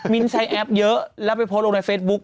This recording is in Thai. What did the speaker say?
ใช้แอปเยอะแล้วไปโพสต์ลงในเฟซบุ๊ค